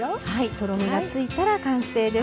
とろみがついたら完成です。